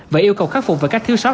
và yêu cầu khắc phục về các thiếu sót